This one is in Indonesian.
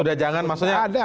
sudah jangan maksudnya